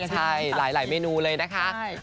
ใช่หลายเมนูเลยนะคะ